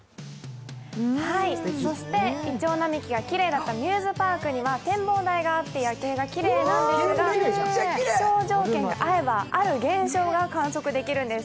いちょう並木がきれいだったミューズパークには展望台があって夜景がきれいなんですが、気象条件が合えばある現象が観測できるんです。